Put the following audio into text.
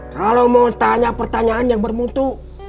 kalau mau tanya pertanyaan yang bermutu